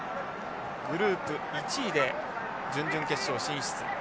グループ１位で準々決勝進出。